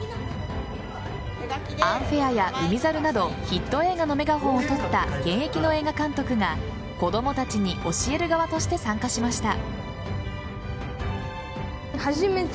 「アンフェア」や「海猿」などヒット映画のメガホンをとった現役の映画監督が子供たちに教える側として参加しました。